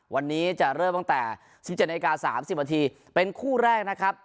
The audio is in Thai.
วันนี้จะเริ่มตั้งแต่๑๗นาที๓๐นาทีเป็นคู่แรกนะครับ